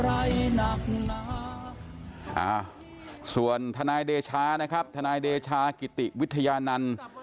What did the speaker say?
อ่าส่วนทนายเดชะอ่ะครับทนายเดชะกิธิวิทยานันต์